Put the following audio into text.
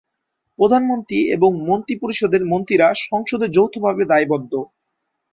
প্রধানমন্ত্রী এবং মন্ত্রিপরিষদের মন্ত্রীরা সংসদে যৌথভাবে দায়বদ্ধ।